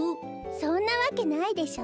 そんなわけないでしょ。